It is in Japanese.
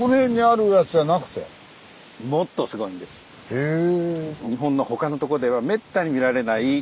へえ。